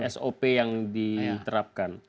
sop yang diterapkan